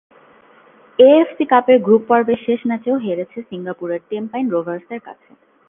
AFC কাপের group পর্বের শেষ ম্যাচেও হেরেছে সিঙ্গাপুরের টেম্পাইন রোভার্সের কাছে।